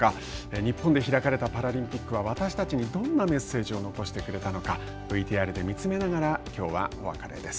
日本で開かれたパラリンピックは私たちにどんなメッセージを残してくれたのかＶＴＲで見つめながらきょうはお別れです。